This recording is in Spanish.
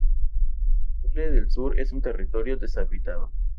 Tule del Sur es un territorio deshabitado.